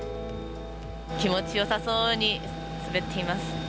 気持ちよさそうに滑っています。